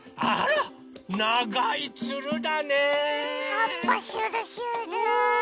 はっぱしゅるしゅる。